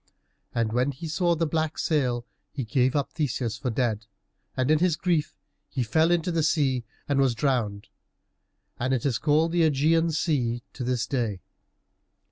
And when he saw the black sail he gave up Theseus for dead, and in his grief he fell into the sea and was drowned, and it is called the Ægean Sea to this day.